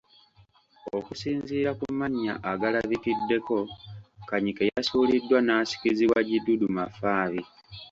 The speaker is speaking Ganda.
Okusinziira ku mannya agalabikiddeko, Kanyike yasuuliddwa n’asikizibwa Gidudu Mafabi.